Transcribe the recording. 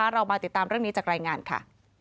เรามาติดตามเรื่องนี้จากรายงานค่ะ